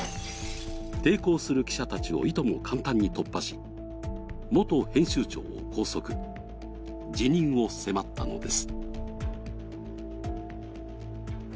抵抗する記者たちをいとも簡単に突破し、元編集長を拘束、辞任を迫ったのです。